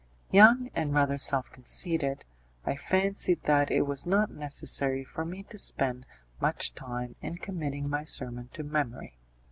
Young and rather self conceited, I fancied that it was not necessary for me to spend much time in committing my sermon to memory.